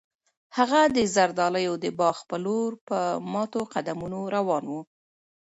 هغه د زردالیو د باغ په لور په ماتو قدمونو روان و.